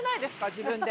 自分で。